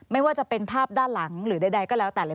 ไม่ว่าจะเป็นภาพด้านหลังหรือใดก็แล้วแต่เลย